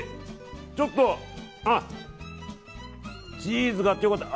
ちょっとチーズがあって良かった！